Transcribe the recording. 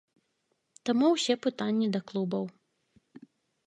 Таму ўсе пытанні да клубаў.